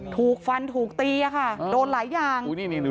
ถูกฟันถูกตีค่ะโดนหลายอย่าง